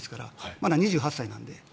まだ２８歳なので。